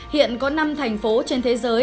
hiện có năm thành phố trên thế giới